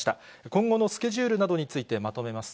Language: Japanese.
今後のスケジュールなどについてまとめます。